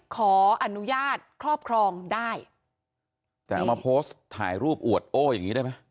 ขออนุญาตครอบครองได้แต่เอามาโพสต์ถ่ายรูปอวดโอ้อย่างงี้ได้ไหม